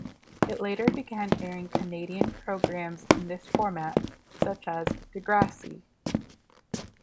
It later began airing Canadian programs in this format, such as "Degrassi".